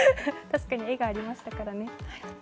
確かに絵がありましたからね。